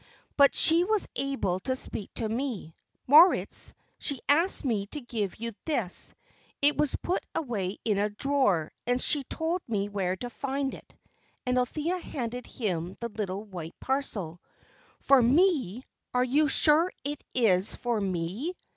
But she was able to speak to me. Moritz, she asked me to give you this; it was put away in a drawer, and she told me where to find it!" and Althea handed him the little white parcel. "For me! are you sure it is for me?"